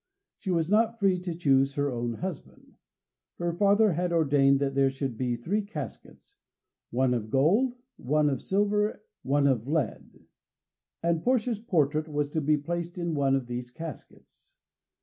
She was not free to choose her own husband. Her father had ordained that there should be three caskets one of gold, one of silver, one of lead and Portia's portrait was to be placed in one of these caskets.